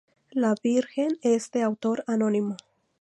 La Virgen es de autor anónimo.